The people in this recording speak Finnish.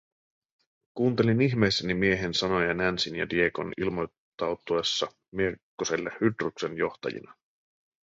Kuuntelin ihmeissäni miehen sanoja Nancyn ja Diegon ilmoittautuessa miekkoselle Hydruksen johtajina.